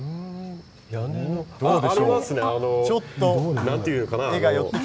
ちょっと何ていうのかな？